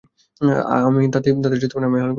তাতে আমি আহার করি।